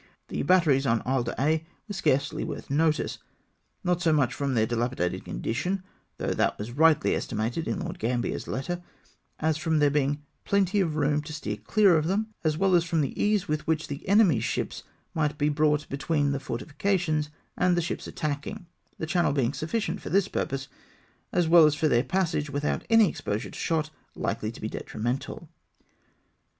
The batteries on Isle d'Aix were scarcely worth notice, not so much from their dila pidated condition, though that was rightly estimated in Lord Gambier's letter, as from there being plenty of room to steer clear of them, as well as from the ease with which the enemy's ships might be brought between the fortifications and the ships attacking ; the channel beuig sufficient for this purpose, as well as for their passage without any exposure to shot Hkely to be de trimental.